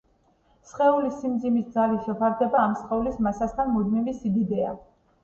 სხეულის სიმძიმის ძალის შეფარდება ამ სხეულის მასასთან მუდმივი სიდიდეა.